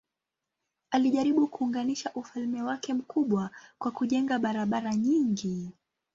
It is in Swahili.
Alijaribu kuunganisha ufalme wake mkubwa kwa kujenga barabara nyingi.